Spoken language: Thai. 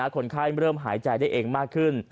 คนไข้เริ่มหายใจได้เองมากขึ้น